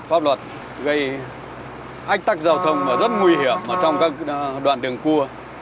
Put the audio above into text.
pháp luật gây ách tắc giao thông rất nguy hiểm trong các đoạn đường cua